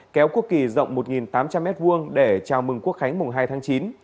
kéo quốc kỳ rộng một tám trăm linh m hai để chào mừng quốc khánh mùng hai tháng chín